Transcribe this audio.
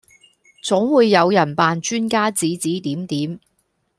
總會有人扮專家指指點點